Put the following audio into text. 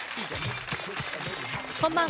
こんばんは。